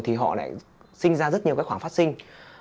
thì họ lại sinh ra rất nhiều cái khoản phát sinh